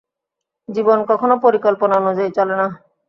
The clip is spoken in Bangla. জীবন কখনও পরিকল্পনা অনুযায়ী চলে না।